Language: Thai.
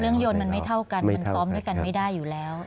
ยนต์มันไม่เท่ากันมันซ้อมด้วยกันไม่ได้อยู่แล้ว